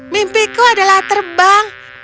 mimpiku adalah terbang